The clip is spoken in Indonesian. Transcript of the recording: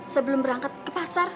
sebelum berangkat ke pasar